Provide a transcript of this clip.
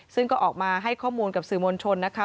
ซึ่งก็ออกมาให้ข้อมูลกับสื่อมวลชนนะคะ